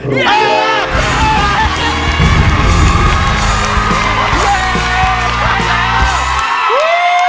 ๖รู